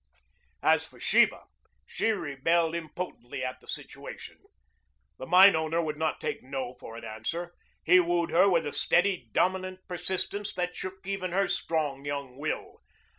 As for Sheba, she rebelled impotently at the situation. The mine owner would not take "No" for an answer. He wooed her with a steady, dominant persistence that shook even her strong, young will.